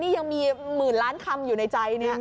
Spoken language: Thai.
นี่ยังมีหมื่นล้านคำอยู่ในใจเนี่ย